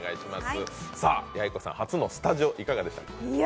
やいこさん、初のスタジオいかがでしたか。